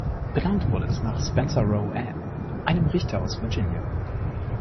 Benannt wurde es nach Spencer Roane, einem Richter aus Virginia.